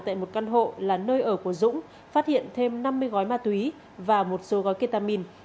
tại một căn hộ là nơi ở của dũng phát hiện thêm năm mươi gói ma túy và một số gói ketamin